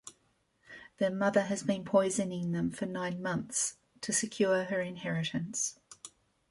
Their mother has been poisoning them for nine months to secure her inheritance.